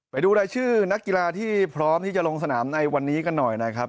ไปดูรายชื่อนักกีฬาที่พร้อมที่จะลงสนามในวันนี้กันหน่อยนะครับ